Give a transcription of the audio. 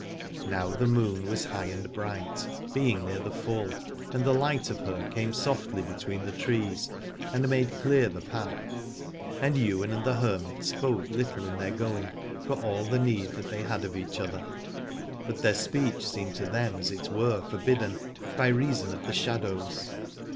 Now the moon was high and bright, being near the full, and the light of her came softly between the trees and made clear the path. And Ywain and the hermit spoke little in their going, for all the need that they had of each other: but their speech seemed to them as it were forbidden, by reason of the shadows.